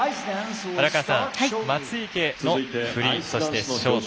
荒川さん、松生のフリーそして、ショート。